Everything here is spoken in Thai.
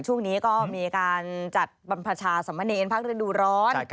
ช่วงนี้ก็มีการจัดบรรพชาสมเนรพักฤดูร้อน